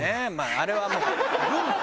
あれはもう文化。